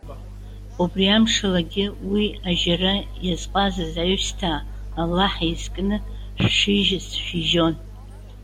Убри амшалагьы, уи ажьара иазҟазаз аҩсҭаа, Аллаҳ изкны шәшижьац шәижьон.